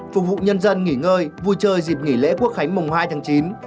phục vụ nhân dân nghỉ ngơi vui chơi dịp nghỉ lễ quốc khánh mùng hai tháng chín